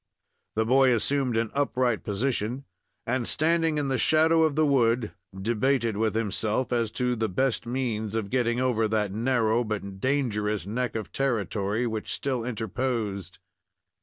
The boy assumed an upright position, and, standing in the shadow of the wood, debated with himself as to the best means of getting over that narrow but dangerous neck of territory which still interposed.